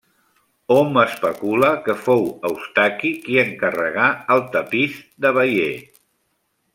Hom especula que fou Eustaqui qui encarregà el Tapís de Bayeux.